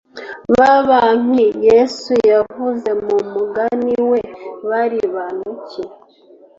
Ba banki yesu yavuze mu mugani we bari bantu ki